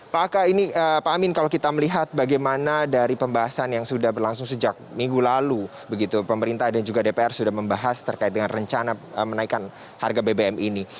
pak aka ini pak amin kalau kita melihat bagaimana dari pembahasan yang sudah berlangsung sejak minggu lalu begitu pemerintah dan juga dpr sudah membahas terkait dengan rencana menaikan harga bbm ini